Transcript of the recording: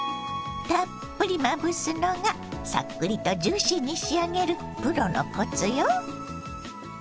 たっぷりまぶすのがさっくりとジューシーに仕上げるプロのコツよ。